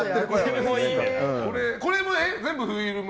これ全部フィルム？